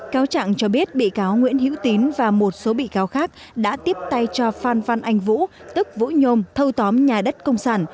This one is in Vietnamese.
cáo trạng cho biết bị cáo nguyễn hữu tín và một số bị cáo khác đã tiếp tay cho phan văn anh vũ tức vũ nhôm thâu tóm nhà đất công sản